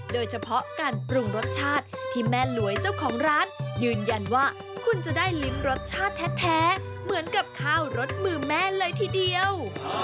โดยเฉพาะการปรุงรสชาติที่แม่หลวยเจ้าของร้านยืนยันว่าคุณจะได้ลิ้มรสชาติแท้เหมือนกับข้าวรสมือแม่เลยทีเดียว